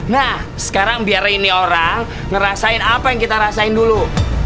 nah sekarang biar ini orang ngerasain apa yang kita rasain dulu